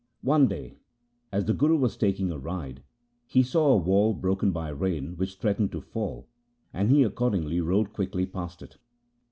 One day, as the Guru was taking a ride, he saw a wall broken by rain, which threatened to fall, and he accordingly rode quickly past it.